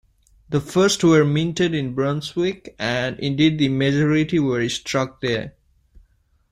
The first were minted in Brunswick, and indeed the majority were struck there.